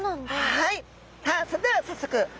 はい。